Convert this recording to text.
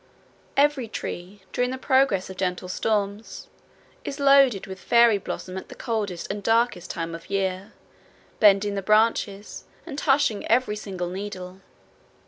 Every tree during the progress of gentle storms is loaded with, fairy bloom at the coldest and darkest time of year, bending the branches, and hushing every singing needle.